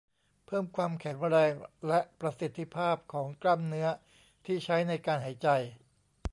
เพิ่มความแข็งแรงและประสิทธิภาพของกล้ามเนื้อที่ใช้ในการหายใจ